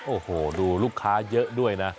โอ้โหดูลูกค้าเยอะด้วยนะ